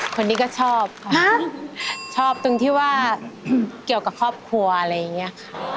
คนนี้ก็ชอบค่ะชอบตรงที่ว่าเกี่ยวกับครอบครัวอะไรอย่างนี้ค่ะ